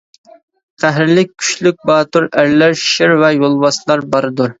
قەھرلىك، كۈچلۈك باتۇر ئەرلەر، شىر ۋە يولۋاسلار بارىدۇ.